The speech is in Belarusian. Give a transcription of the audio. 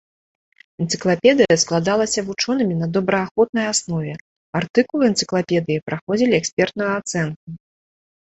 Энцыклапедыя складалася вучонымі на добраахвотнай аснове, артыкулы энцыклапедыі праходзілі экспертную ацэнку.